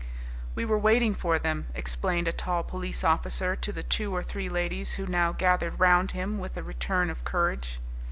"We were waiting for them," explained a tall police officer to the two or three ladies who now gathered round him with a return of courage.